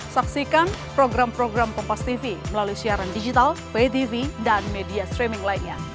saksikan program program kompastv melalui siaran digital vtv dan media streaming lainnya